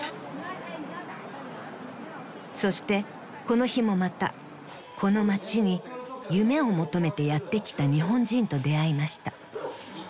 ［そしてこの日もまたこの町に夢を求めてやって来た日本人と出会いました］